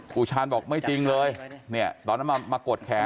ปูชาญบอกไม่จริงเลยตอนนั้นมากดแขน